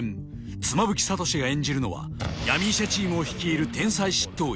妻夫木聡が演じるのは闇医者チームを率いる天才執刀医